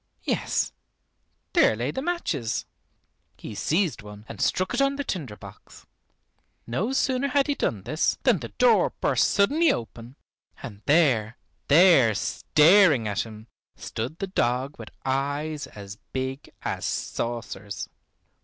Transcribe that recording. Yes, there lay the matches. He seized one and struck it on the tinder box. No sooner had he done this, than the door burst suddenly open, and there, there, staring at him, stood the dog with eyes as big as saucers.